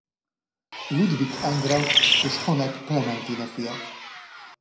Ludvik Endre és Hanek Klementina fia.